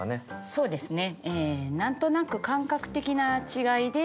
そうですね。